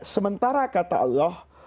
sementara kata allah